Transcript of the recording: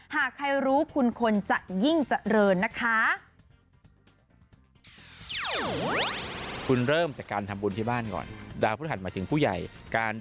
หากใครรู้คุณคนจะยิ่งเจริญนะคะ